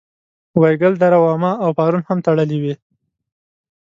وایګل دره واما او پارون هم تړلې وې.